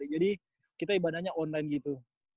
jadi kita ibadahnya online gitu